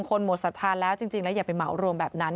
หมดศรัทธาแล้วจริงแล้วอย่าไปเหมารวมแบบนั้น